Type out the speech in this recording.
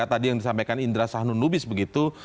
tadi yang disampaikan indra sahnunubis begitu